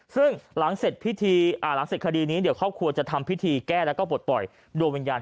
ซึ่งหลังเสร็จคดีนี้เดี๋ยวครอบครัวจะทำพิธีแก้และปลดปล่อยโดยวิญญาณ